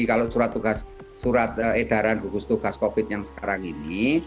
kalau surat edaran gugus tugas covid yang sekarang ini